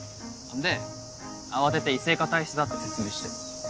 で慌てて異性化体質だって説明して。